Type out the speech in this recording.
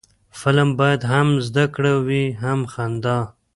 فلم باید هم زده کړه وي، هم خندا